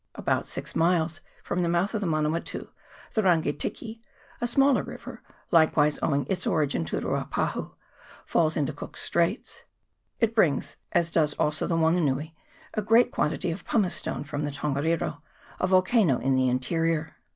About six miles from the mouth of the Mana watu, the Rangitiki, a smaller river, likewise owing its origin to the Ruapahu, falls into Cook's Straits. It brings, as does also the Wanganui, a great quan tity of pumicestone from the Tongariro, a volcano in the interior.